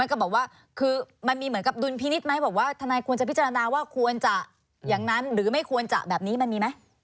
แล้วก็บอกว่าคือมันมีเหมือนกับดุลพินิษฐ์ไหมบอกว่าทนายควรจะพิจารณาว่าควรจะอย่างนั้นหรือไม่ควรจะแบบนี้มันมีไหม